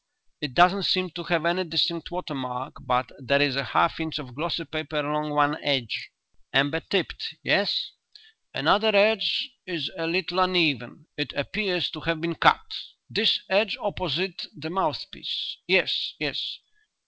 It doesn't seem to have any distinct watermark but there is a half inch of glossy paper along one edge." "Amber tipped. Yes?" "Another edge is a little uneven; it appears to have been cut." "This edge opposite the mouthpiece. Yes, yes."